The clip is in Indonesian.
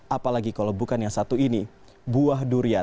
apalagi kalau bukan yang satu ini buah durian